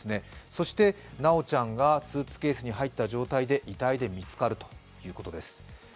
そして修ちゃんがスーツケースに入った状態で遺体で見つかるということです。